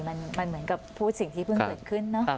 มันเหมือนกับพูดสิ่งที่เพิ่งเกิดขึ้นเนอะ